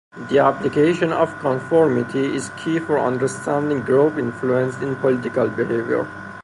The application of conformity is key for understanding group influence in political behavior.